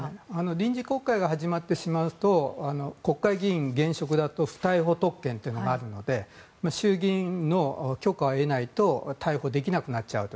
臨時国会が始まってしまうと国会議員、現職だと不逮捕特権というのがあるので衆議院の許可を得ないと逮捕できなくなっちゃうと。